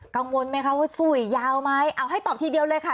กังวลไหมคะว่าสู้อีกยาวไหมเอาให้ตอบทีเดียวเลยค่ะ